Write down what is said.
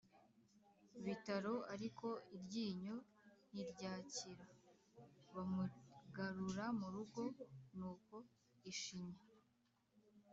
bitaro, ariko iryinyo ntiryakira, bamugarura mu rugo. Nuko ishinya